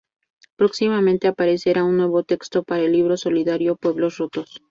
Próximamente aparecerá un nuevo texto para el libro solidario Pueblos rotos.